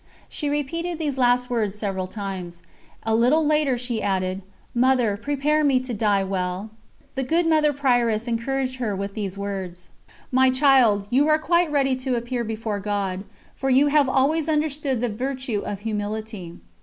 She repeated these last words several times. A little later she added: "Mother, prepare me to die well." The good Mother Prioress encouraged her with these words: "My child, you are quite ready to appear before God, for you have always understood the virtue of humility."